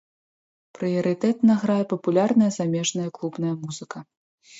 Прыярытэтна грае папулярная замежная клубная музыка.